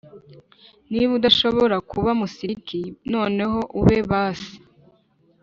niba udashobora kuba muskie noneho ube bass -